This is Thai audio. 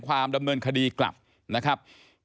ความดำเนินคดีกลับนะครับ